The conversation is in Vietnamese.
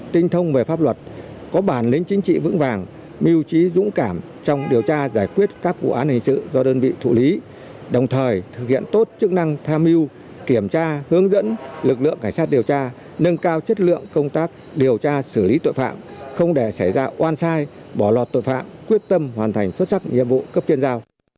tinh thông về pháp luật có bản lĩnh chính trị vững vàng mưu trí dũng cảm trong điều tra giải quyết các vụ án hình sự do đơn vị thụ lý đồng thời thực hiện tốt chức năng tham mưu kiểm tra hướng dẫn lực lượng cảnh sát điều tra nâng cao chất lượng công tác điều tra xử lý tội phạm không để xảy ra oan sai bỏ lọt tội phạm quyết tâm hoàn thành xuất sắc nhiệm vụ cấp trên giao